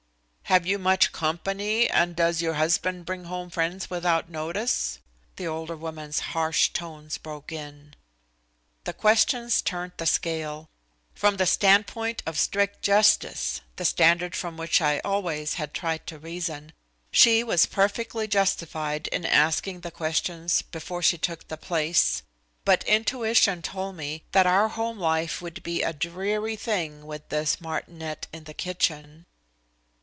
"Have you much company, and does your husband bring home friends without notice?" The older woman's harsh tones broke in. The questions turned the scale. From the standpoint of strict justice, the standard from which I always had tried to reason, she was perfectly justified in asking the questions before she took the place. But intuition told me that our home life would be a dreary thing with this martinet in the kitchen.